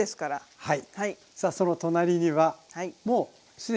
はい。